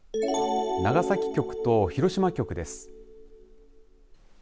長崎局と広島局です。